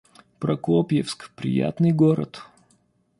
Прокопьевск — приятный город